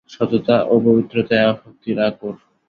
সততা এবং পবিত্রতাই শক্তির আকর।